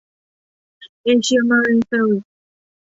เอเชียน มารีน เซอร์วิสส์